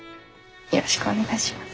よろしくお願いします。